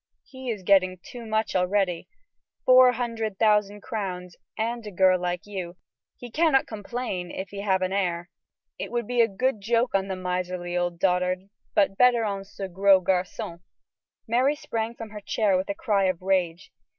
He is getting too much already; four hundred thousand crowns and a girl like you; he cannot complain if he have an heir. It would be a good joke on the miserly old dotard, but better on 'Ce Gros Garçon.'" Mary sprang from her chair with a cry of rage.